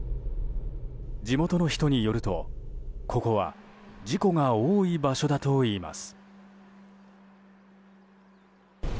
地元の人によるとここは事故が多い場所だといいます。